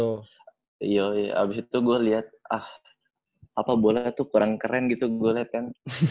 terus abis itu gue liat ah apa bola itu kurang keren gitu gue liat kan